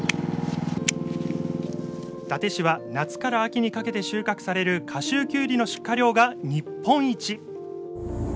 伊達市は、夏から秋にかけて収穫される夏秋きゅうりの出荷量が日本一。